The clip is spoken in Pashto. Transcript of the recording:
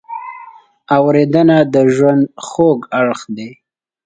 اورېدنه د ژوند خوږ اړخ دی.